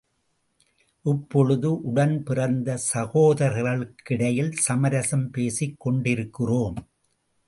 இப்பொழுது உடன் பிறந்த சகோதரர்களுக்கிடையில் சமரசம் பேசிக் கொண்டிருக்கிறோம்.